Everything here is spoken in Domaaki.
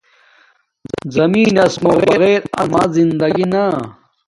زمین نس مُو بغیر اما زندگی نا